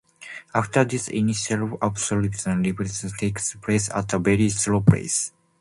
After this initial absorption, redistribution takes place at a very slow pace.